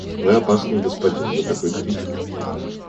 Вы опасный господин; вы такой критик.